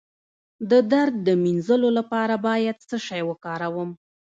د درد د مینځلو لپاره باید څه شی وکاروم؟